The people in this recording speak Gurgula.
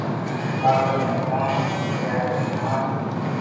ڪآ ڪر سگدآئونٚ هميٚ تيريٚ آگي ڀگوآن